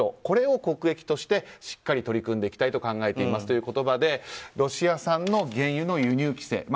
これを国益としてしっかり取り組んでいきたいと考えていますという言葉でロシア産の原油の輸入規制。